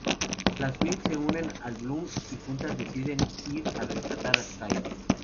Las Winx se unen a Bloom y juntas deciden ir a rescatar a Sky.